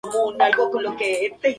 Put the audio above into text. Ver: Escáner de luz estructurada.